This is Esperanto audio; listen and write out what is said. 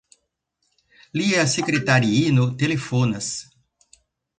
Lia sekratariino telefonas.